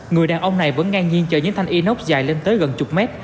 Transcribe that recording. người đàn ông này vẫn ngang nhiên chờ những thanh inox dài lên tới gần chục mét